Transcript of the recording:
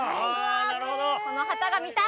この旗が見たい！